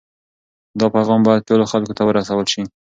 دا پیغام باید ټولو خلکو ته ورسول شي.